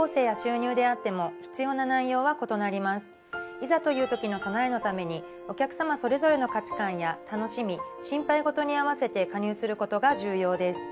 いざという時の備えのためにお客さまそれぞれの価値観や楽しみ心配事に合わせて加入することが重要です。